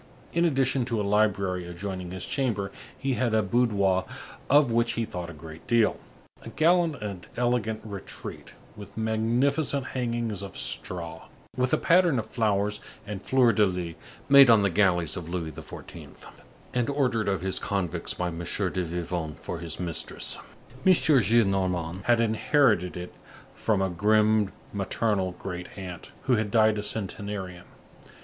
In addition to a library adjoining his chamber, he had a boudoir of which he thought a great deal, a gallant and elegant retreat, with magnificent hangings of straw, with a pattern of flowers and fleurs de lys made on the galleys of Louis XIV. and ordered of his convicts by M. de Vivonne for his mistress. M. Gillenormand had inherited it from a grim maternal great aunt, who had died a centenarian.